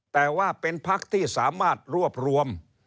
แต่ว่าเป็นพักที่สามารถรวบรวม